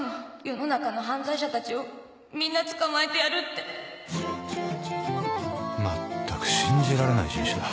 世の中の犯罪者たちをみんな捕まえてやるって全く信じられない人種だ。